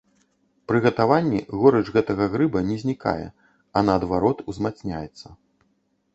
Пры гатаванні горыч гэтага грыба не знікае, а наадварот, узмацняецца.